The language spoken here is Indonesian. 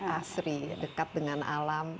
asri dekat dengan alam